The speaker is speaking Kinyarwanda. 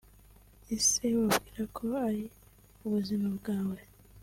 Ese ubabwira ko ari ubuzima bwawe